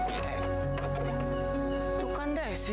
itu kan desi